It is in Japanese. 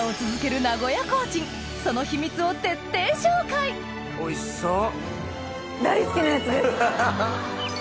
その秘密を徹底紹介おいしそう。